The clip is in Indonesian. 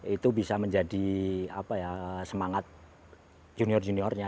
itu bisa menjadi apa ya semangat junior juniornya